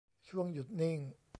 ช่วงหยุดนิ่ง